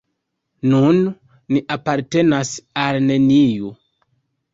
Nun ni apartenas al neniu.